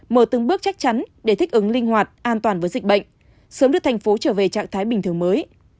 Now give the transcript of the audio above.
mở từng bước chắc chắn để thích ứng linh hoạt an toàn với dịch bệnh sớm đưa thành phố trở về trạng thái bình thường mới